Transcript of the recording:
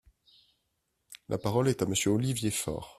La parole est à Monsieur Olivier Faure.